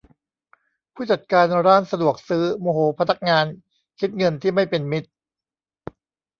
ผู้จัดการร้านสะดวกซื้อโมโหพนักงานคิดเงินที่ไม่เป็นมิตร